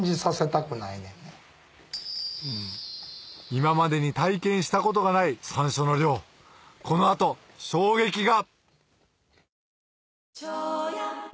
今までに体験したことがない山椒の量この後衝撃が！